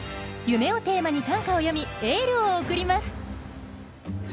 「夢」をテーマに短歌を詠みエールを送ります。